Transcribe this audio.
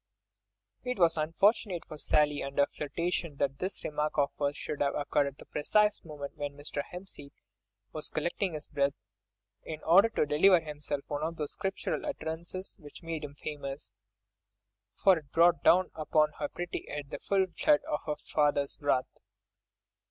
It was unfortunate for Sally and her flirtation that this remark of hers should have occurred at the precise moment when Mr. Hempseed was collecting his breath, in order to deliver himself of one of those Scriptural utterances which had made him famous, for it brought down upon her pretty head the full flood of her father's wrath.